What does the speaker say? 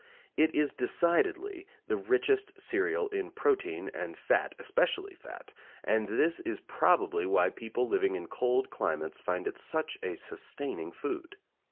It is decidedly the richest cereal in protein and fat, especially fat, and this is probably why people living in cold climates find it such a sustaining food.